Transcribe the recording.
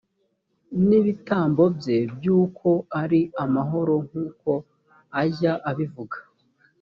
n ibitambo bye by uko ari amahoro nk uko ajya abivuga